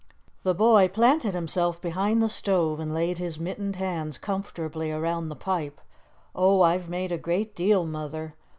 The boy planted himself behind the stove and laid his mittened hands comfortably around the pipe. "Oh, I've made a great deal, Mother."